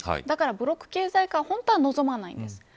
だからブロック経済化は本当は望まないんです。